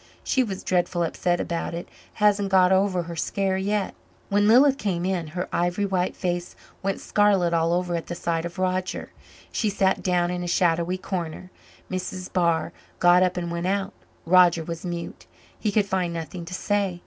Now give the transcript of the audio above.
She was dreadful upset about it hasn't got over her scare yet." When Lilith came in, her ivory white face went scarlet all over at the sight of Roger. She sat down in a shadowy corner. Mrs. Barr got up and went out. Roger was mute; he could find nothing to say.